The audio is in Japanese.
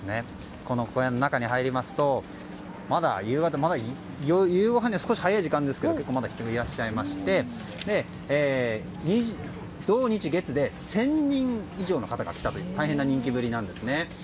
この小屋の中に入りますとまだ夕ごはんには少し早い時間ですけど人がいらっしゃいまして土日月で１０００人以上の方が来たという大変な人気ぶりなんです。